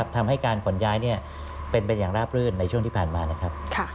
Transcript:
ทำให้การขนย้ายเป็นไปอย่างราบรื่นในช่วงที่ผ่านมานะครับ